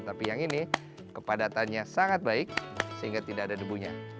tapi yang ini kepadatannya sangat baik sehingga tidak ada debunya